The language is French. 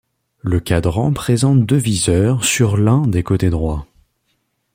Le quadrant présente deux viseurs sur l'un des côtés droits.